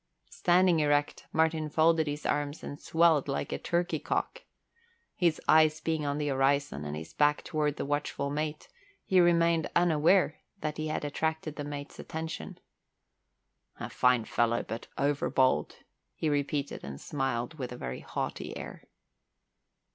Standing erect, Martin folded his arms and swelled like a turkey cock. His eyes being on the horizon and his back toward the watchful mate, he remained unaware that he had attracted the mate's attention. "A fine fellow, but overbold," he repeated and smiled with a very haughty air.